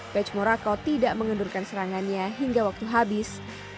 pech morakot tidak mengendurkan serangannya hingga waktu habis